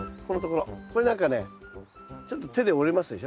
これなんかねちょっと手で折れますでしょ